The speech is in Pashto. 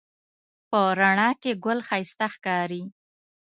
په رڼا کې ګل ښایسته ښکاري